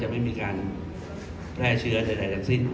ไม่มีการแพร่เชื้อใดทั้งสิ้น